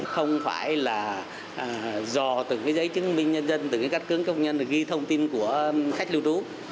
không phải là dò từ cái giấy chứng minh nhân dân từ cái cách cướng công nhân để ghi thông tin của khách lưu trú